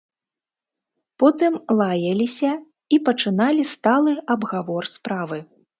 Потым лаяліся і пачыналі сталы абгавор справы.